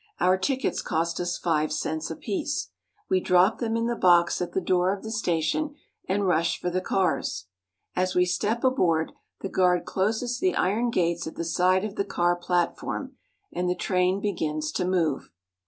Our tickets cost us five cents apiece. We drop them in Elevated Railroad on the Bowery, New York. the box at the door of the station, and rush for the cars. As we step aboard, the guard closes the iron gates at the side of the car platform, and the train begins to move.